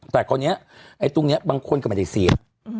แต่ตรงนี้บางคนก็ไม่ได้เสีย